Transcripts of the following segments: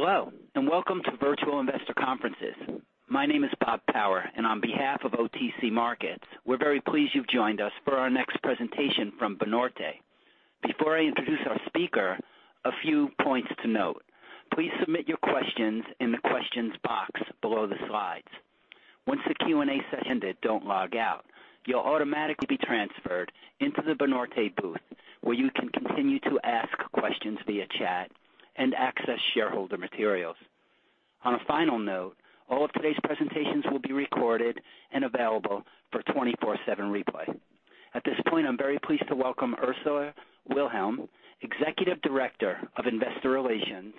Hello, welcome to Virtual Investor Conferences. My name is Bob Tower, and on behalf of OTC Markets, we're very pleased you've joined us for our next presentation from Banorte. Before I introduce our speaker, a few points to note. Please submit your questions in the questions box below the slides. Once the Q&A session is ended, don't log out. You'll automatically be transferred into the Banorte booth, where you can continue to ask questions via chat and access shareholder materials. On a final note, all of today's presentations will be recorded and available for 24/7 replay. At this point, I'm very pleased to welcome Ursula Wilhelm, Executive Director of Investor Relations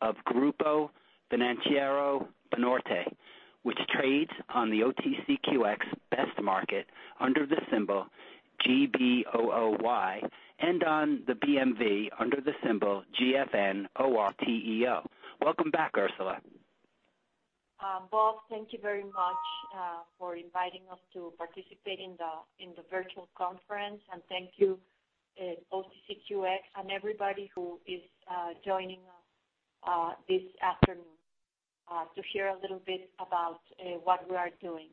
of Grupo Financiero Banorte, which trades on the OTCQX Best Market under the symbol GBOOY and on the BMV under the symbol GFNORTEO. Welcome back, Ursula. Bob, thank you very much for inviting us to participate in the virtual conference. Thank you, OTCQX, and everybody who is joining us this afternoon to hear a little bit about what we are doing.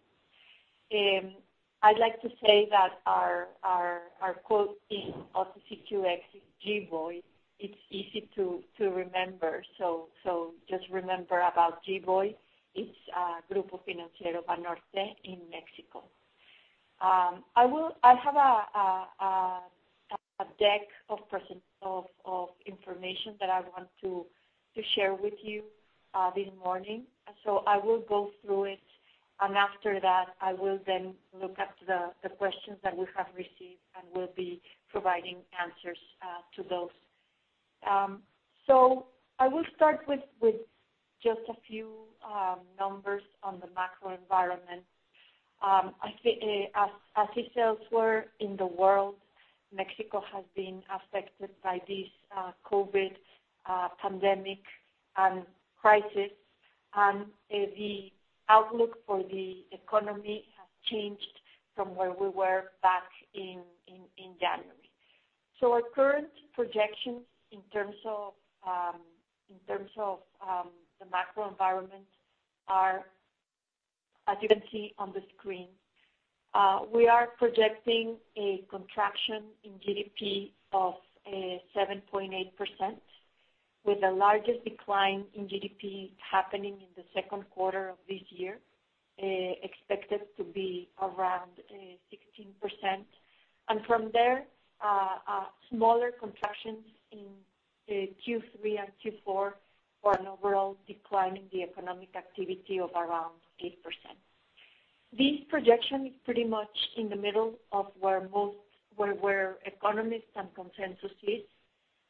I'd like to say that our quote in OTCQX is GBOOY. It's easy to remember. Just remember about GBOOY. It's Grupo Financiero Banorte in Mexico. I have a deck of information that I want to share with you this morning. I will go through it, and after that, I will then look up the questions that we have received and will be providing answers to those. I will start with just a few numbers on the macro environment. As you see elsewhere in the world, Mexico has been affected by this COVID pandemic and crisis, and the outlook for the economy has changed from where we were back in January. Our current projections in terms of the macro environment are, as you can see on the screen. We are projecting a contraction in GDP of 7.8%, with the largest decline in GDP happening in the second quarter of this year, expected to be around 16%. From there, smaller contractions in Q3 and Q4, for an overall decline in the economic activity of around 8%. This projection is pretty much in the middle of where most economists and consensus is.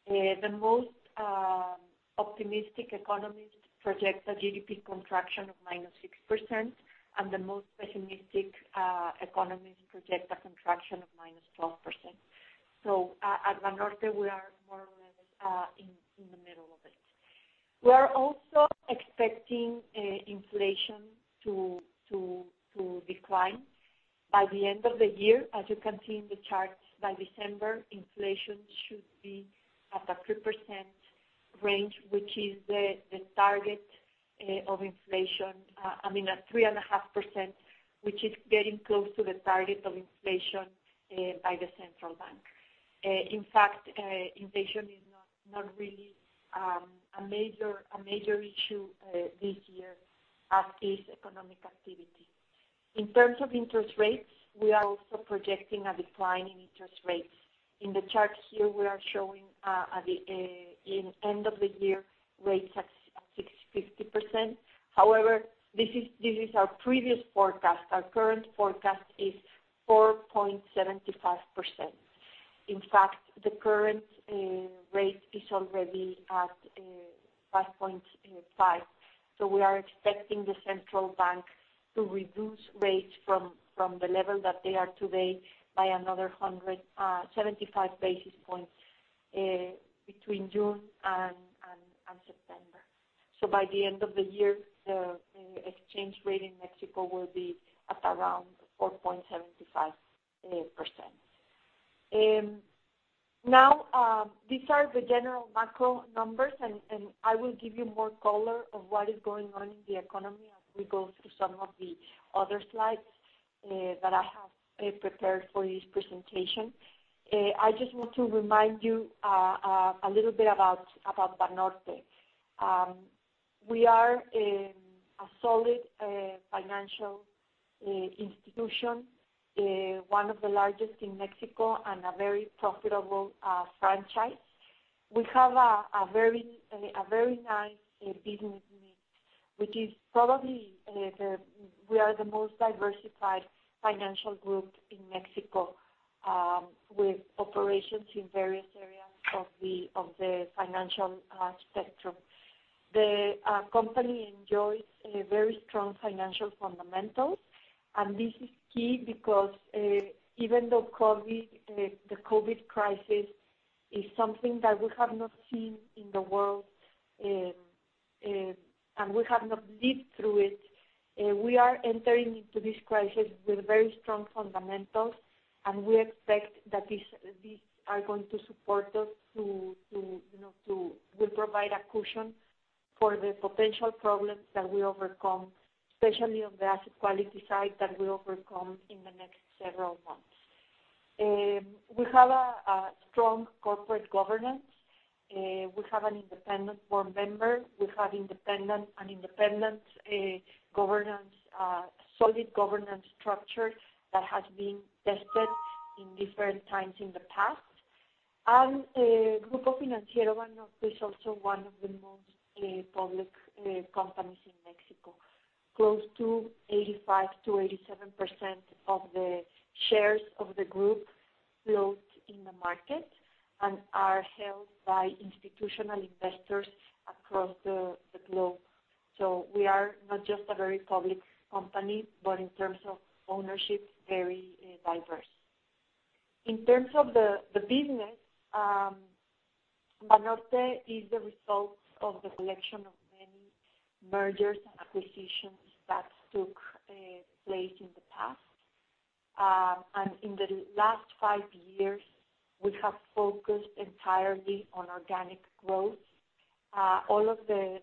The most optimistic economists project a GDP contraction of -6%, and the most pessimistic economists project a contraction of -12%. At Banorte, we are more or less in the middle of it. We are also expecting inflation to decline by the end of the year. As you can see in the charts, by December, inflation should be at the 3% range, which is the target of inflation. I mean, at 3.5%, which is getting close to the target of inflation by the central bank. Inflation is not really a major issue this year as is economic activity. In terms of interest rates, we are also projecting a decline in interest rates. In the chart here, we are showing at the end of the year, rates at 6.50%. This is our previous forecast. Our current forecast is 4.75%. The current rate is already at 5.5%. We are expecting the central bank to reduce rates from the level that they are today by another 175 basis points between June and September. By the end of the year, the exchange rate in Mexico will be at around 4.75%. These are the general macro numbers, and I will give you more color of what is going on in the economy as we go through some of the other slides that I have prepared for this presentation. I just want to remind you a little bit about Banorte. We are a solid financial institution, one of the largest in Mexico and a very profitable franchise. We have a very nice business mix, which is probably we are the most diversified financial group in Mexico, with operations in various areas of the financial spectrum. The company enjoys very strong financial fundamentals, and this is key because even though the COVID crisis is something that we have not seen in the world, and we have not lived through it. We are entering into this crisis with very strong fundamentals, and we expect that these are going to support us. They will provide a cushion for the potential problems that we overcome, especially on the asset quality side, that we overcome in the next several months. We have a strong corporate governance. We have an independent board member. We have an independent, solid governance structure that has been tested in different times in the past. Grupo Financiero Banorte is also one of the most public companies in Mexico. Close to 85%-87% of the shares of the group float in the market and are held by institutional investors across the globe. We are not just a very public company, but in terms of ownership, very diverse. In terms of the business, Banorte is the result of the collection of many mergers and acquisitions that took place in the past. In the last five years, we have focused entirely on organic growth. All of the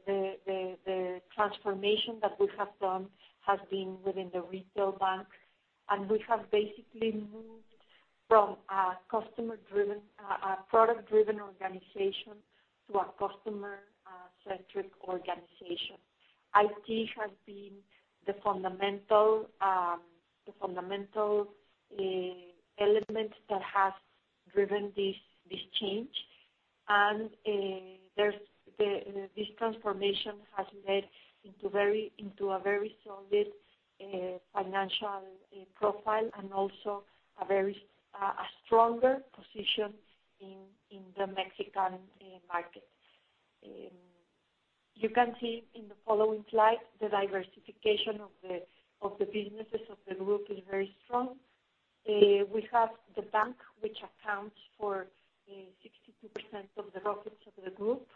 transformation that we have done has been within the retail bank. We have basically moved from a product-driven organization to a customer-centric organization. IT has been the fundamental element that has driven this change. This transformation has led into a very solid financial profile and also a stronger position in the Mexican market. You can see in the following slide, the diversification of the businesses of the group is very strong. We have the bank, which accounts for 62% of the profits of the group.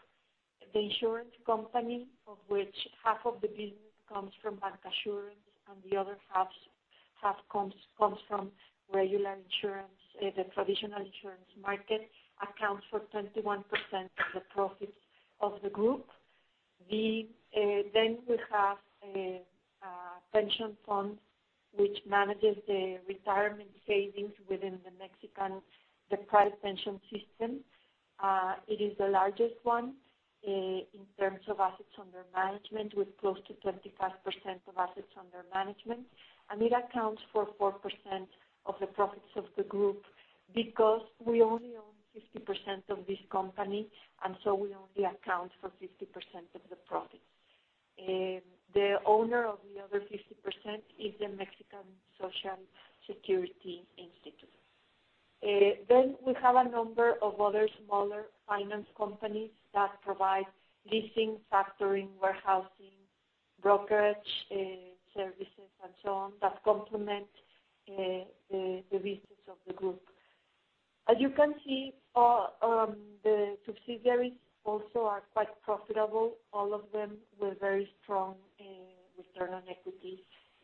The insurance company, of which half of the business comes from bancassurance and the other half comes from regular insurance, the traditional insurance market, accounts for 21% of the profits of the group. We have a pension fund, which manages the retirement savings within the Mexican private pension system. It is the largest one in terms of assets under management, with close to 25% of assets under management. It accounts for 4% of the profits of the group because we only own 50% of this company. We only account for 50% of the profits. The owner of the other 50% is the Mexican Social Security Institute. We have a number of other smaller finance companies that provide leasing, factoring, warehousing, brokerage services, and so on, that complement the business of the group. As you can see, the subsidiaries also are quite profitable, all of them with very strong return on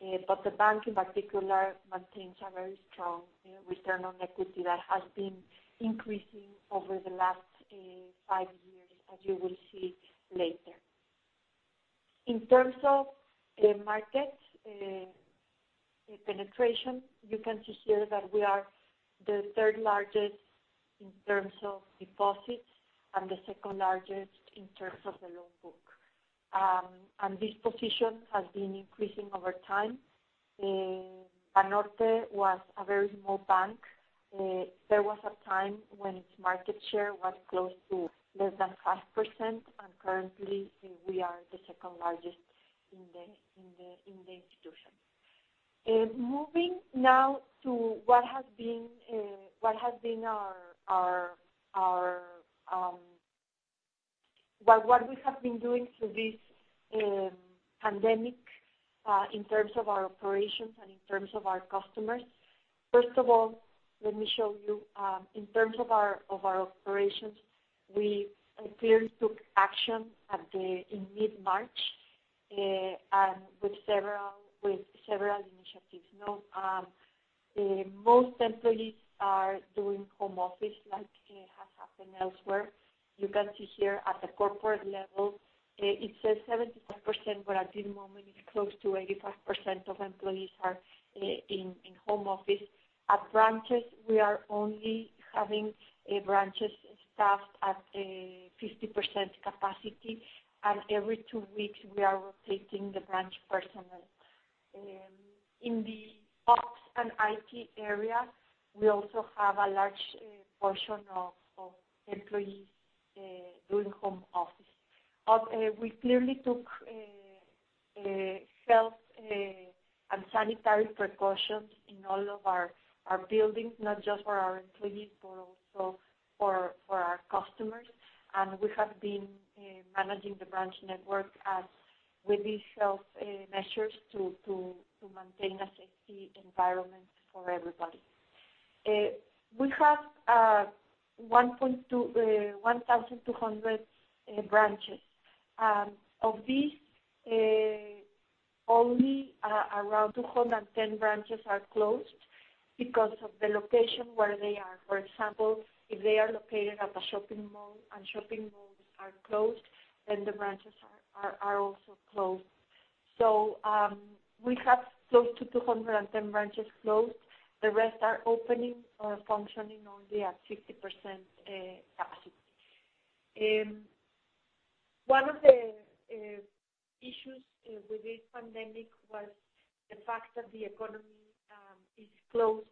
equity. The bank, in particular, maintains a very strong return on equity that has been increasing over the last five years, as you will see later. In terms of market penetration, you can see here that we are the third largest in terms of deposits and the second largest in terms of the loan book. This position has been increasing over time. Banorte was a very small bank. There was a time when its market share was close to less than 5%, and currently, we are the second largest in the institution. Moving now to what we have been doing through this pandemic in terms of our operations and in terms of our customers. First of all, let me show you, in terms of our operations, we clearly took action in mid-March and with several initiatives. Most employees are doing home office, like has happened elsewhere. You can see here at the corporate level, it says 75%, but at the moment it's close to 85% of employees are in home office. At branches, we are only having branches staffed at 50% capacity, and every two weeks we are rotating the branch personnel. In the ops and IT area, we also have a large portion of employees doing home office. We clearly took health and sanitary precautions in all of our buildings, not just for our employees, but also for our customers. We have been managing the branch network with these health measures to maintain a safety environment for everybody. We have 1,200 branches. Of these, only around 210 branches are closed because of the location where they are. For example, if they are located at a shopping mall and shopping malls are closed, then the branches are also closed. We have close to 210 branches closed. The rest are opening or functioning only at 50% capacity. One of the issues with this pandemic was the fact that the economy is closed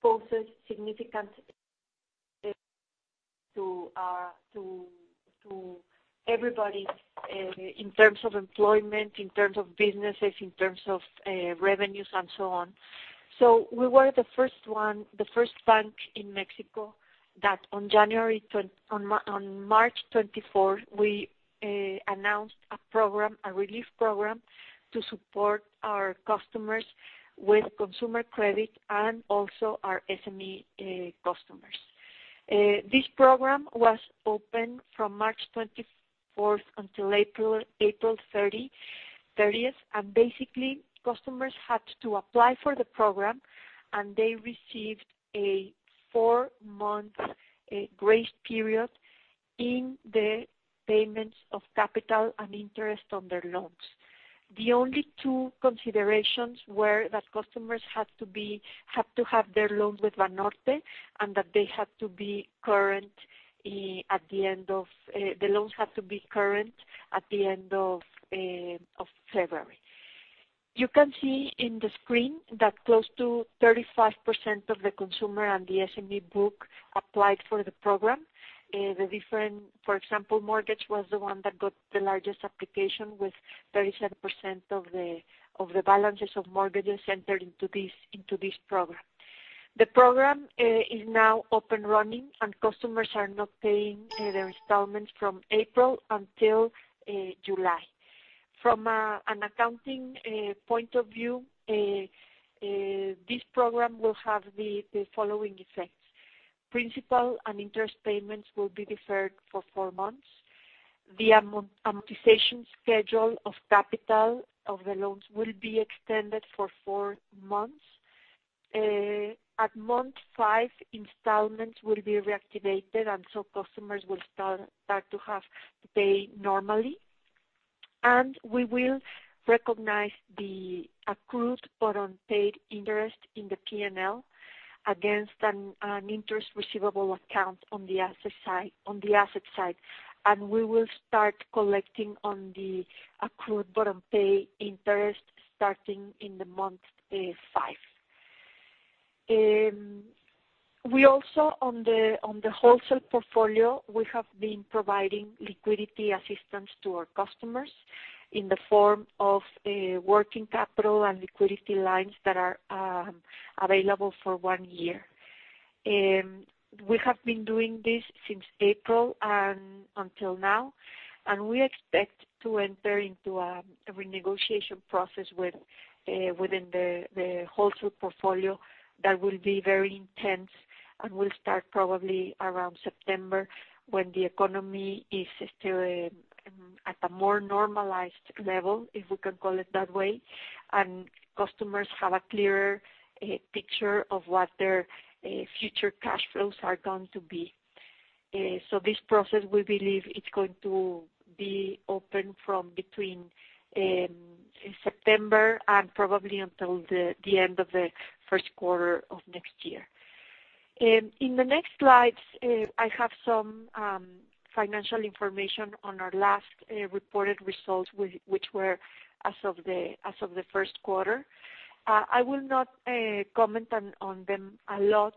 poses significant to everybody in terms of employment, in terms of businesses, in terms of revenues, and so on. We were the first bank in Mexico that on March 24, we announced a relief program to support our customers with consumer credit and also our SME customers. This program was open from March 24th until April 30th. Basically, customers had to apply for the program, and they received a four-month grace period in the payments of capital and interest on their loans. The only two considerations were that customers had to have their loans with Banorte and that the loans had to be current at the end of February. You can see in the screen that close to 35% of the consumer and the SME book applied for the program. For example, mortgage was the one that got the largest application, with 37% of the balances of mortgages entered into this program. The program is now up and running, customers are not paying their installments from April until July. From an accounting point of view, this program will have the following effects. Principal and interest payments will be deferred for four months. The amortization schedule of capital of the loans will be extended for four months. At month five, installments will be reactivated, so customers will start to have to pay normally. We will recognize the accrued but unpaid interest in the P&L against an interest receivable account on the asset side. We will start collecting on the accrued but unpaid interest starting in the month five. We also, on the wholesale portfolio, we have been providing liquidity assistance to our customers in the form of working capital and liquidity lines that are available for one year. We have been doing this since April until now. We expect to enter into a renegotiation process within the wholesale portfolio that will be very intense and will start probably around September, when the economy is still at a more normalized level, if we can call it that way, and customers have a clearer picture of what their future cash flows are going to be. This process, we believe, is going to be open from between September and probably until the end of the first quarter of next year. In the next slides, I have some financial information on our last reported results, which were as of the first quarter. I will not comment on them a lot.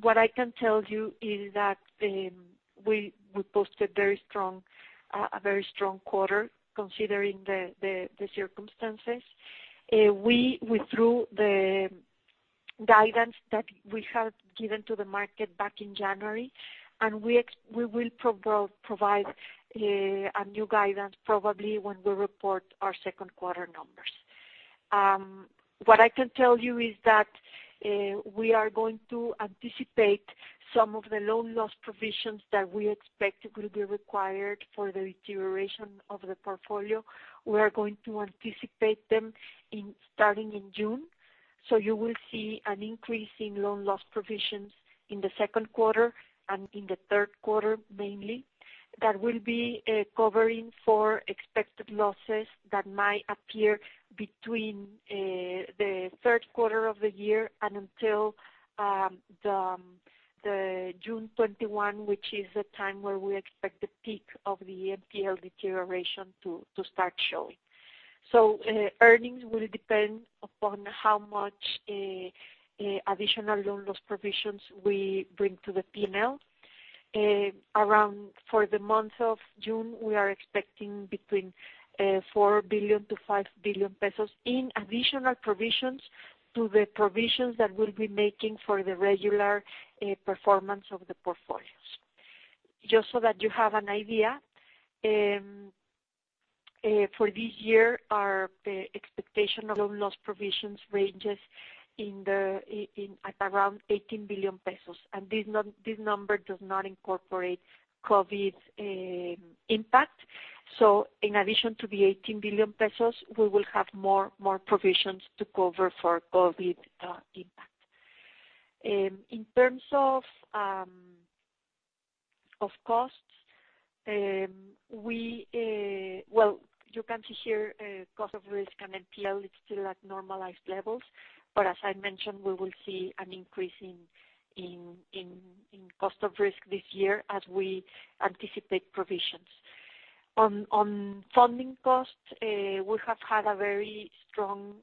What I can tell you is that we posted a very strong quarter considering the circumstances. We withdrew the guidance that we had given to the market back in January, and we will provide a new guidance probably when we report our second quarter numbers. What I can tell you is that we are going to anticipate some of the loan loss provisions that we expect will be required for the deterioration of the portfolio. We are going to anticipate them starting in June. You will see an increase in loan loss provisions in the second quarter and in the third quarter, mainly. That will be covering for expected losses that might appear between the third quarter of the year and until June 2021, which is the time where we expect the peak of the NPL deterioration to start showing. Earnings will depend upon how much additional loan loss provisions we bring to the P&L. Around for the month of June, we are expecting between 4 billion-5 billion pesos in additional provisions to the provisions that we'll be making for the regular performance of the portfolio. Just so that you have an idea, for this year, our expectation of loan loss provisions ranges at around 18 billion pesos. This number does not incorporate COVID's impact. In addition to the 18 billion pesos, we will have more provisions to cover for COVID impact. In terms of costs, you can see here, cost of risk and NPL, it's still at normalized levels. As I mentioned, we will see an increase in cost of risk this year as we anticipate provisions. On funding costs, we have had a very strong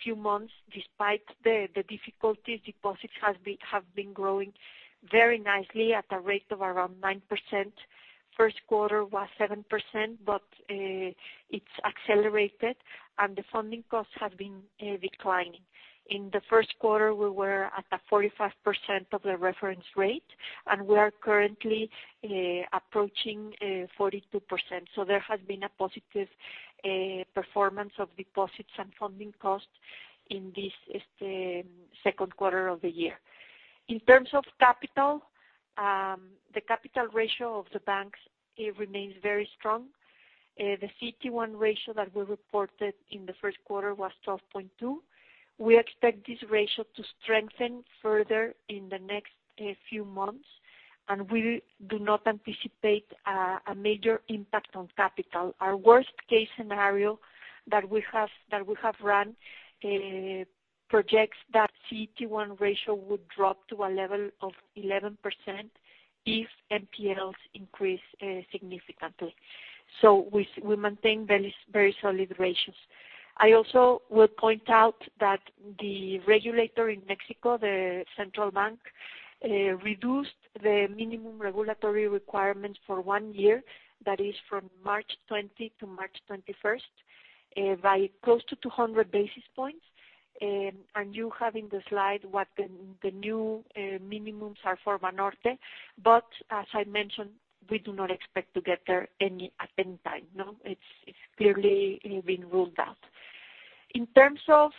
few months despite the difficulties. Deposits have been growing very nicely at a rate of around 9%. First quarter was 7%. It's accelerated. The funding costs have been declining. In the first quarter, we were at a 45% of the reference rate. We are currently approaching 42%. There has been a positive performance of deposits and funding costs in this second quarter of the year. In terms of capital, the capital ratio of the banks, it remains very strong. The CET1 ratio that we reported in the first quarter was 12.2%. We expect this ratio to strengthen further in the next few months. We do not anticipate a major impact on capital. Our worst-case scenario that we have run projects that CET1 ratio would drop to a level of 11% if NPLs increase significantly. We maintain very solid ratios. I also would point out that the regulator in Mexico, the central bank, reduced the minimum regulatory requirements for one year, that is from March 20- March 21, by close to 200 basis points. You have in the slide what the new minimums are for Banorte. As I mentioned, we do not expect to get there at any time. No, it's clearly been ruled out. In terms of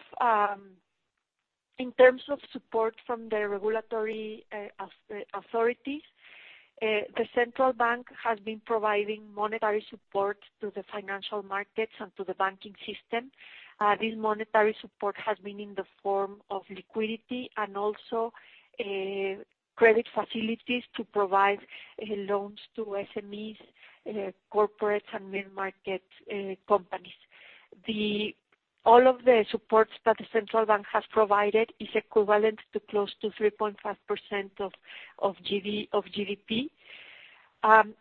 support from the regulatory authorities, the central bank has been providing monetary support to the financial markets and to the banking system. This monetary support has been in the form of liquidity and also credit facilities to provide loans to SMEs, corporates, and mid-market companies. All of the supports that the central bank has provided is equivalent to close to 3.5% of GDP.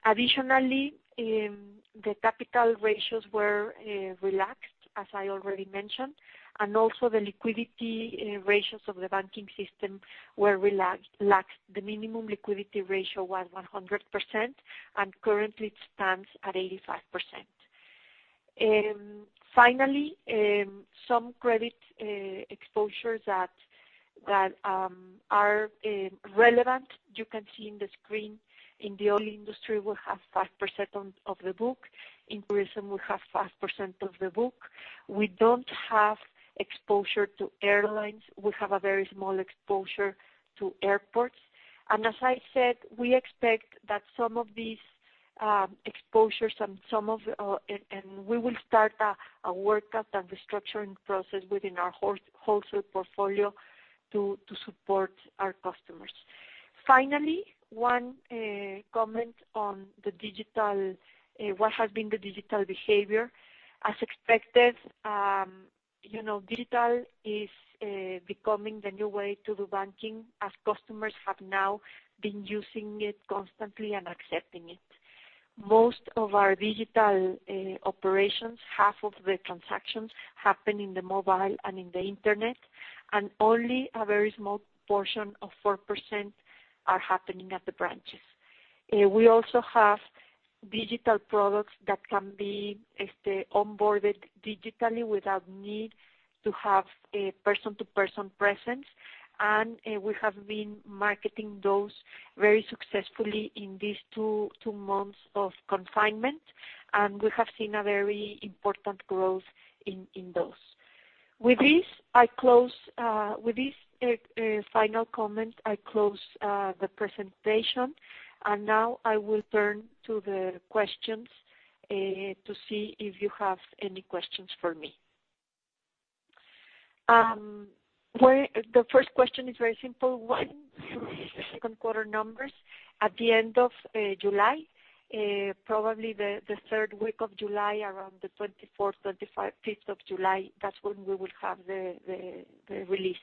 Additionally, the capital ratios were relaxed, as I already mentioned, and also the liquidity ratios of the banking system were relaxed. The minimum liquidity ratio was 100%, and currently it stands at 85%. Finally, some credit exposures that are relevant, you can see on the screen. In the oil industry, we have 5% of the book. In tourism, we have 5% of the book. We don't have exposure to airlines. We have a very small exposure to airports. As I said, we expect that some of these exposures, and we will start a workout and restructuring process within our wholesale portfolio to support our customers. Finally, one comment on what has been the digital behavior. As expected, digital is becoming the new way to do banking, as customers have now been using it constantly and accepting it. Most of our digital operations, half of the transactions happen in the mobile and in the internet, only a very small portion of 4% are happening at the branches. We also have digital products that can be onboarded digitally without need to have a person-to-person presence. We have been marketing those very successfully in these two months of confinement, we have seen a very important growth in those. With this final comment, I close the presentation, now I will turn to the questions to see if you have any questions for me. The first question is very simple. When will we see the second quarter numbers? At the end of July, probably the third week of July, around the 24th, 25th of July. That's when we will have the release.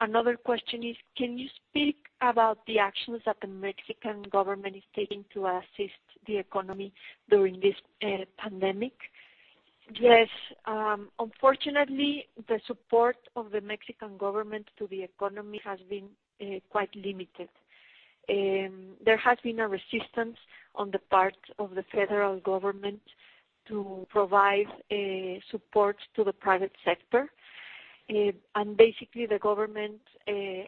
Another question is, can you speak about the actions that the Mexican government is taking to assist the economy during this pandemic? Yes. Unfortunately, the support of the Mexican government to the economy has been quite limited. There has been a resistance on the part of the federal government to provide supports to the private sector. Basically, the government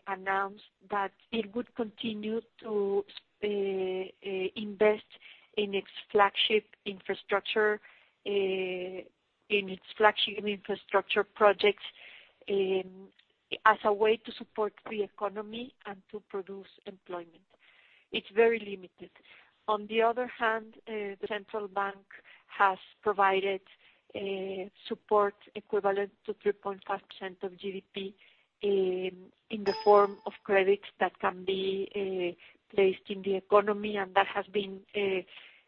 announced that it would continue to invest in its flagship infrastructure projects as a way to support the economy and to produce employment. It's very limited. On the other hand, the central bank has provided support equivalent to 3.5% of GDP in the form of credits that can be placed in the economy, and that has been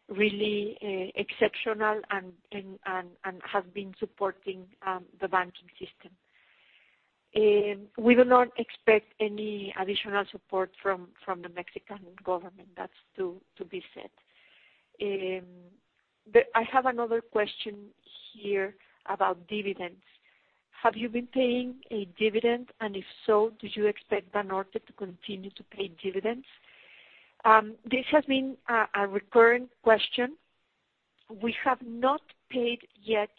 really exceptional and has been supporting the banking system. We do not expect any additional support from the Mexican government. That's to be said. I have another question here about dividends. Have you been paying a dividend, and if so, do you expect Banorte to continue to pay dividends? This has been a recurring question. We have not paid yet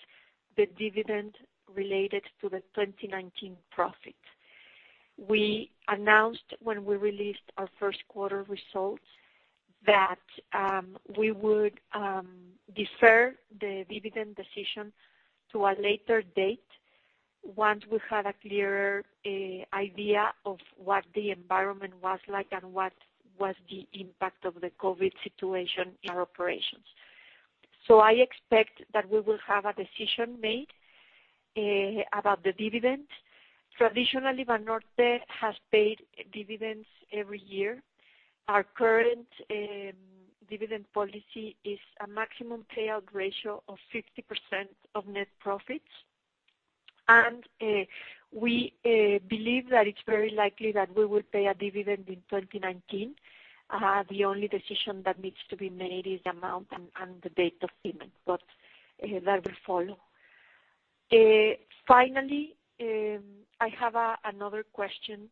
the dividend related to the 2019 profit. We announced when we released our first quarter results that we would defer the dividend decision to a later date once we had a clearer idea of what the environment was like and what was the impact of the COVID situation in our operations. I expect that we will have a decision made about the dividend. Traditionally, Banorte has paid dividends every year. Our current dividend policy is a maximum payout ratio of 50% of net profits. We believe that it's very likely that we will pay a dividend in 2019. The only decision that needs to be made is the amount and the date of payment. That will follow. Finally, I have another question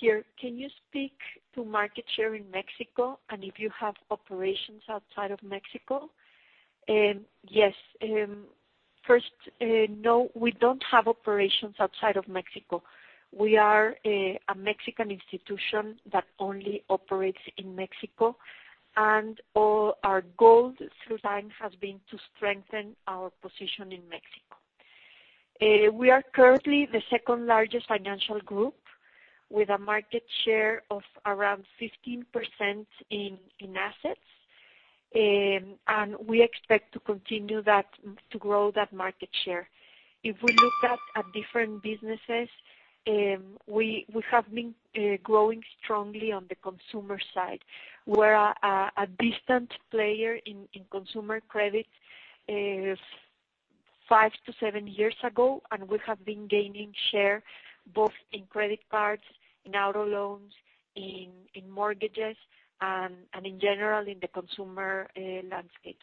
here. Can you speak to market share in Mexico and if you have operations outside of Mexico? Yes. First, no, we don't have operations outside of Mexico. We are a Mexican institution that only operates in Mexico, and our goal through time has been to strengthen our position in Mexico. We are currently the second-largest financial group with a market share of around 15% in assets. We expect to continue to grow that market share. If we look at different businesses, we have been growing strongly on the consumer side. We were a distant player in consumer credit five to seven years ago, and we have been gaining share both in credit cards, in auto loans, in mortgages, and in general in the consumer landscape.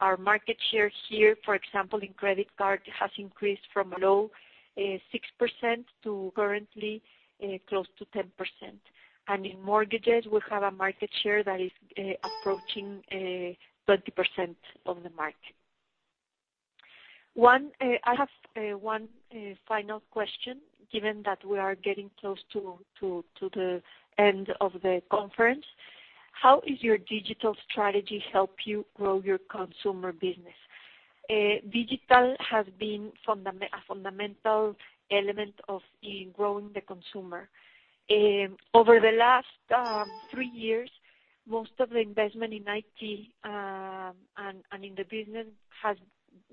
Our market share here, for example, in credit card, has increased from a low 6% to currently close to 10%. In mortgages, we have a market share that is approaching 20% of the market. I have one final question, given that we are getting close to the end of the conference. How is your digital strategy help you grow your consumer business? Digital has been a fundamental element of growing the consumer. Over the last three years, most of the investment in IT, and in the business has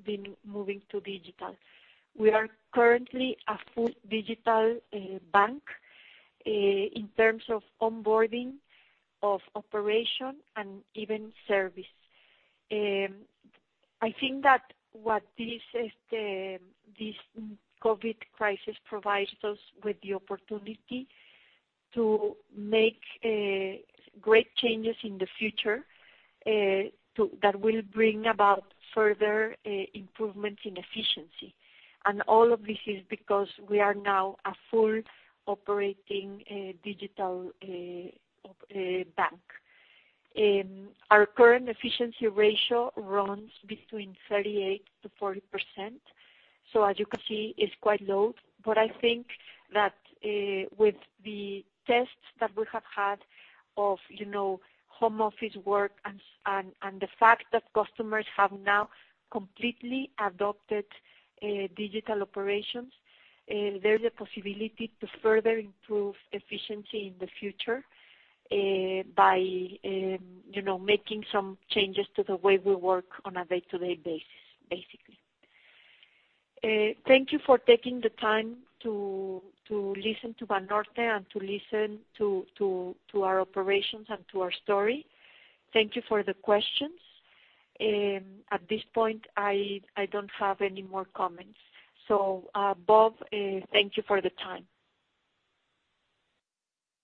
been moving to digital. We are currently a full digital bank in terms of onboarding, of operation, and even service. I think that what this COVID crisis provides us with the opportunity to make great changes in the future, that will bring about further improvements in efficiency. All of this is because we are now a full operating digital bank. Our current efficiency ratio runs between 38%-40%. As you can see, it's quite low. I think that with the tests that we have had of home office work and the fact that customers have now completely adopted digital operations, there's a possibility to further improve efficiency in the future by making some changes to the way we work on a day-to-day basis, basically. Thank you for taking the time to listen to Banorte and to listen to our operations and to our story. Thank you for the questions. At this point, I don't have any more comments. Bob, thank you for the time.